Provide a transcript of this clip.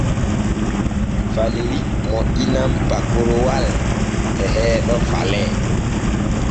Faleri moƴƴinan pakoroowal e heeɗo Falee.